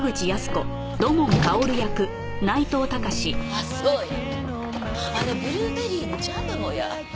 あっそうやあのブルーベリーのジャムもや。